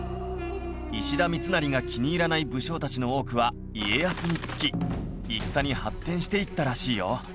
石田三成が気に入らない武将たちの多くは家康につき戦に発展していったらしいよ